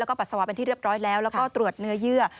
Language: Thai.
แล้วก็ปัสสาวะเป็นที่เรียบร้อยแล้วแล้วก็ตรวจเนื้อเยื่อ